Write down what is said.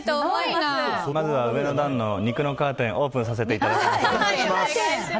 まずは上の段の肉のカーテンオープンさせていただきます。